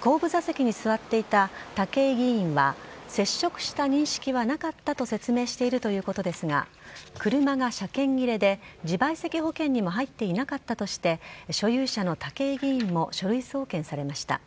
後部座席に座っていた武井議員は、接触した認識はなかったと説明しているということですが、車が車検切れで、自賠責保険にも入っていなかったとして、所有者の武井議員も書類送検されました。